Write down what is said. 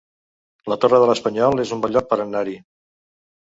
La Torre de l'Espanyol es un bon lloc per anar-hi